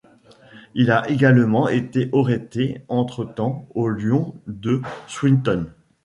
Il a également été orêté entre-temps aux Lions de Swinton.